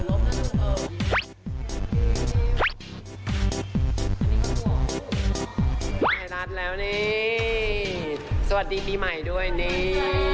ได้รับแล้วนี่สวัสดีปีใหม่ด้วยนี่